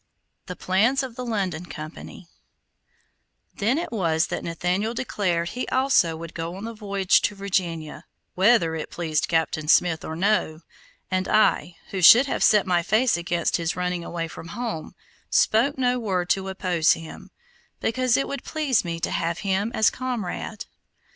THE PLANS OF THE LONDON COMPANY Then it was that Nathaniel declared he also would go on the voyage to Virginia, whether it pleased Captain Smith or no, and I, who should have set my face against his running away from home, spoke no word to oppose him, because it would please me to have him as comrade.